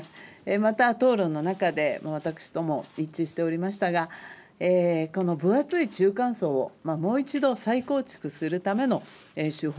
また、討論の中で私とも一致しておりましたがこの分厚い中間層をもう一度再構築するための手法。